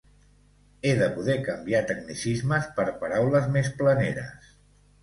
He de poder canviar tecnicismes per paraules més planeres.